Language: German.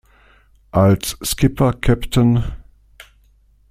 Als Skipper "„Capt.